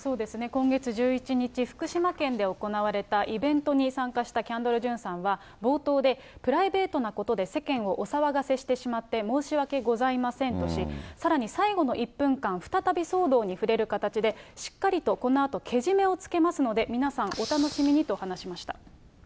今月１１日、福島県で行われたイベントに参加したキャンドル・ジュンさんは、冒頭で、プライベートなことで世間をお騒がせしてしまって申し訳ございませんとし、さらに最後の１分間、再び騒動に触れる形で、しっかりとこのあとけじめをつけますので、皆さん、お楽しみにと話しました。